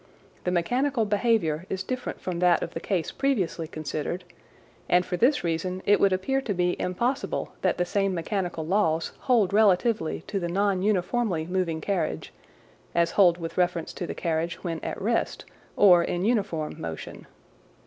The mechanical behaviour is different from that of the case previously considered, and for this reason it would appear to be impossible that the same mechanical laws hold relatively to the non uniformly moving carriage, as hold with reference to the carriage when at rest or in uniform motion.